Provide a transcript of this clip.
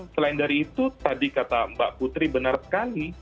selain dari itu tadi kata mbak putri benar sekali